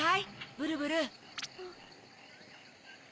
ブルブル。